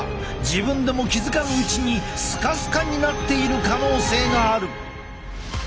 自分でも気付かぬうちにスカスカになっている可能性がある。